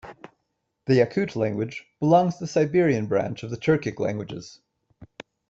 The Yakut language belongs to the Siberian branch of the Turkic languages.